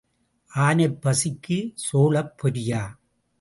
ஆனைப் பசிக்குச் சோளப் பெரியா?